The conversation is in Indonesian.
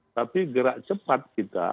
tapi gerak cepat kita